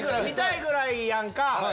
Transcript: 見たいぐらいやんか。